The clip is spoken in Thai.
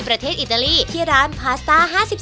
ประเทศอิตาลีที่ร้านพาสต้า๕๒